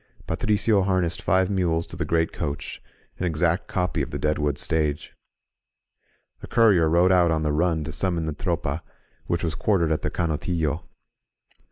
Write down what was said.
Patricio harnessed five mules to the great coach, — an exact copy of the Deadwood Stage. A courier rode out on the run to summon the Tropa, which was quartered at the CanotUlo.